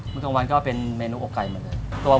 มื้อกล้องวันก็เป็นเมนูโอกไก่เหมือนกัน